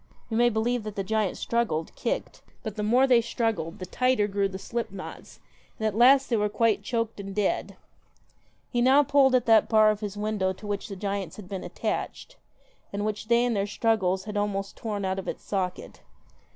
You may believe that 1 86 the giants struggled, kicked ; but the more they JACK THE struggled the tighter grew the slip knots, and at 1 ? f I A N X last they were quite choked and dead. KILLER He now pulled at that bar of his window to which the giants had been attached, and which they in their struggles had almost torn out of its socket.